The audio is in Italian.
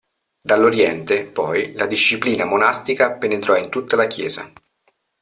Dall'oriente, poi, la disciplina monastica penetrò in tutta la Chiesa.